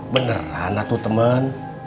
beneran lah tuh temen